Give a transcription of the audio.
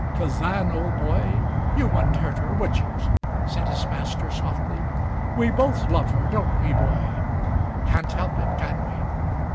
"Kazan, old boy, you wouldn't hurt her, would you?" said his master softly. "We both love her, don't we, boy? Can't help it, can we?